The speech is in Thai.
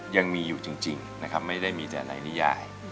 ยังมีอยู่จริงนะครับไม่ได้มีแต่ในนิยาย